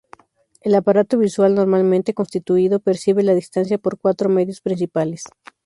El aparato visual normalmente constituido percibe la distancia por cuatro medios principales.